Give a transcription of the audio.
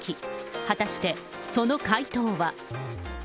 果たして、その回答は。